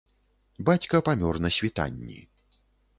Бацька памёр на світанні.